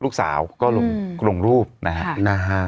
สีวิต้ากับคุณกรนิดหนึ่งดีกว่านะครับแฟนแห่เชียร์หลังเห็นภาพ